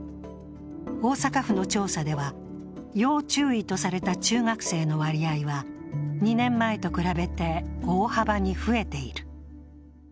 大阪府の調査では、要注意とされた中学生の割合は２年前と比べて大幅に増えている。